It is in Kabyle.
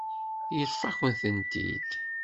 Yeṭṭef-ak-tent-id.